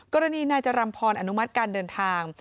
กรณีนายจรัมพรอนุมัติการเดินทาง